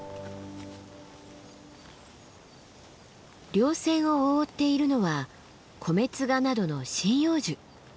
稜線を覆っているのはコメツガなどの針葉樹。